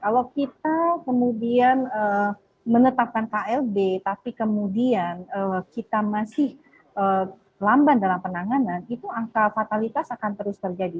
kalau kita kemudian menetapkan klb tapi kemudian kita masih lamban dalam penanganan itu angka fatalitas akan terus terjadi